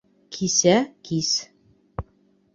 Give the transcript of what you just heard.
Кисә кис